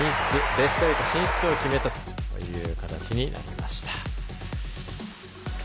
ベスト８進出を決めたという形になりました。